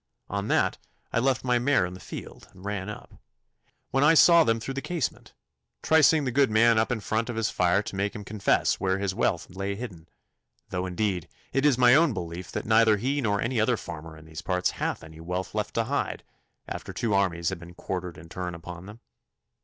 On that I left my mare in the field and ran up, when I saw them through the casement, tricing the good man up in front of his fire to make him confess where his wealth lay hidden, though indeed it is my own belief that neither he nor any other farmer in these parts hath any wealth left to hide, after two armies have been quartered in turn upon them.